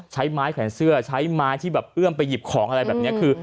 ใช้ไม้แขวนเสื้อใช้ไม้ที่แบบเอื้อมไปหยิบของอะไรแบบนี้คือ